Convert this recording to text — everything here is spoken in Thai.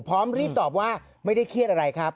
พร้อมรีบตอบว่าไม่ได้เครียดอะไรครับ